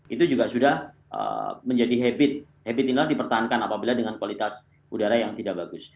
itu juga sudah menjadi habit habit inap dipertahankan apabila dengan kualitas udara yang tidak bagus